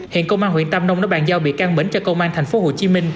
hiện công an huyện tam đông đã bàn giao bị can mỉnh cho công an tp hcm